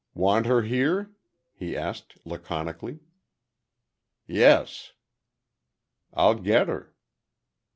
"Want her here?" he asked, laconically. "Yes." "I'll get her."